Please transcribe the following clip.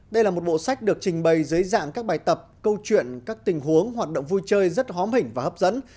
đây là một bộ sách được trình bày dưới dạng các bài tập câu chuyện các tình huống hoạt động vui chơi rất hóm hình và hấp dẫn